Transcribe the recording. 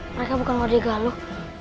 mereka bukan wadah galuh